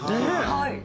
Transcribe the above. はい。